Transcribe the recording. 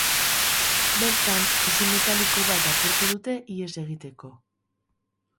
Bertan, hesi metaliko bat apurtu dute ihes egiteko.